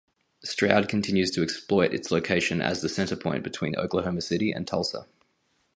Stroud continues to exploit its location as the centerpoint between Oklahoma City and Tulsa.